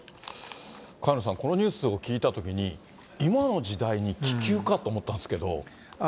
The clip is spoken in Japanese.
萱野さん、このニュースを聞いたときに、今の時代に気球かと思ったんですけど。